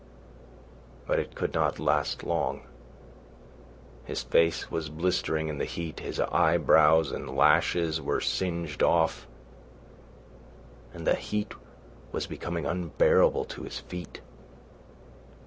But it could not last long. His face was blistering in the heat, his eyebrows and lashes were singed off, and the heat was becoming unbearable to his feet.